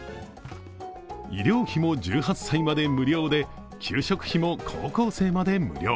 医療費も１８歳まで無料で給食費も高校生まで無料。